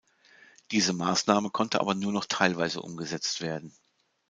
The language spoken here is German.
Diese Maßnahme konnte aber nur noch teilweise umgesetzt werden.